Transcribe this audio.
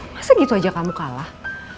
masa gitu aja kamu kalah